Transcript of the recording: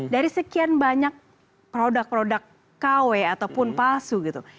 dari sekian banyak produk produk kw ataupun palsu gitu